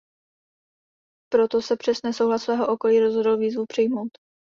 Proto se přes nesouhlas svého okolí rozhodl výzvu přijmout.